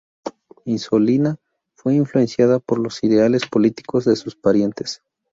Isolina fue influenciada por los ideales políticos de sus parientes.